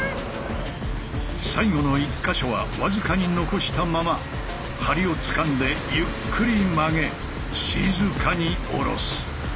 最後の１か所は僅かに残したまま梁をつかんでゆっくり曲げ静かに下ろす。